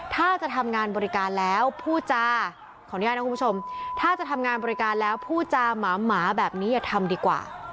ถ้าจะทำงานบริการแล้วผู้จาม้ามหมาแบบนี้อย่าทำดีกว่า